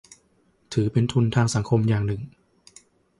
ถือเป็นทุนทางสังคมอย่างหนึ่ง